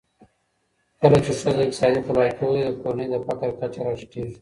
کله چي ښځه اقتصادي خپلواکي ولري، د کورنۍ د فقر کچه راټیټېږي